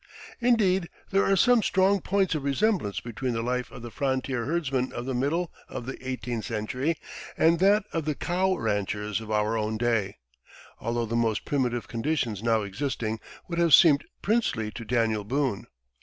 Indeed, there are some strong points of resemblance between the life of the frontier herdsman of the middle of the eighteenth century and that of the "cow" ranchers of our own day, although the most primitive conditions now existing would have seemed princely to Daniel Boone.